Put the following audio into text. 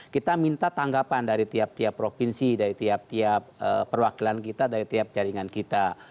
kita minta tanggapan dari tiap tiap provinsi dari tiap tiap perwakilan kita dari tiap jaringan kita